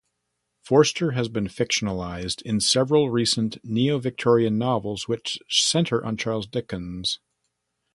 Forster has been fictionalised in several recent neo-Victorian novels which centre on Charles Dickens.